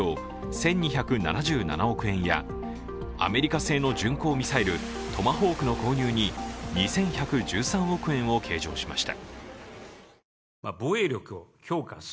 １２７７億円やアメリカ製の巡航ミサイルトマホークの購入に２１１３億円を計上しました。